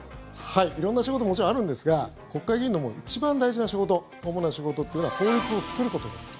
色んな仕事もちろんあるんですが国会議員の一番大事な仕事主な仕事というのは法律を作ることです。